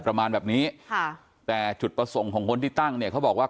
ประมาณแบบนี้แต่หสุดประสงค์ของคนที่ตั้งเนี่ยพี่น้องบอกว่าเขา